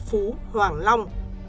phú hoàng long